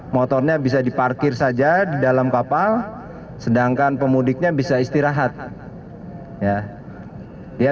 motornya bisa diparkir saja di dalam kapal sedangkan pemudiknya bisa istirahat ya dia